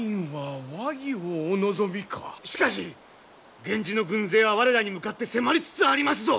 しかし源氏の軍勢は我らに向かって迫りつつありますぞ！